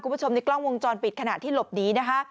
คุณผู้ชมในกล้องวงจรปิดขณะที่หลบหนีนะคะ